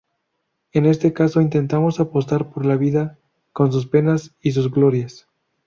En este caso intentamos apostar por la vida, con sus penas y sus glorias.